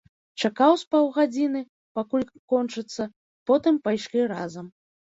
Чакаў з паўгадзіны, пакуль кончыцца, потым пайшлі разам.